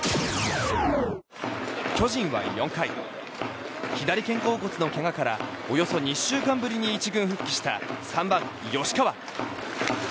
巨人は４回左肩甲骨のけがからおよそ２週間ぶりに１軍復帰した３番、吉川。